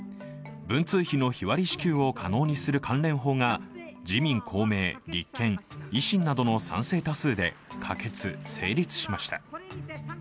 文通費の日割り支給を可能にする関連法が自民・公明・立憲・維新などの賛成多数で、可決・成立しました。